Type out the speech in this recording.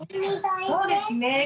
そうですね。